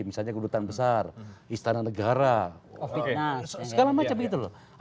misalnya kebudayaan besar istana negara of fitness segala macam gitu loh